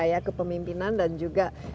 gaya kepemimpinan dan juga